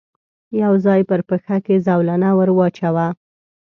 يو ځای پر پښه کې زولنه ور واچاوه.